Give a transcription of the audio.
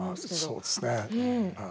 そうですね。